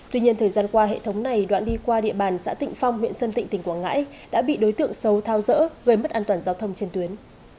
tuy nhiên thời gian qua hệ thống này đoạn đi qua địa bàn xã tịnh phong huyện sơn tịnh tỉnh quảng ngãi đã bị đối tượng xấu thao dỡ gây mất an toàn giao thông trên tuyến